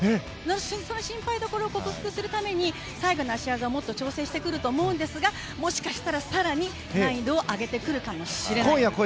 その心配どころを克服するために最後の脚技をもっと調整してくると思うんですがもしかしたら更に難易度を上げてくるかもしれない。